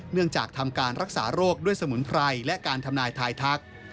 จากทำการรักษาโรคด้วยสมุนไพรและการทำนายทายทัก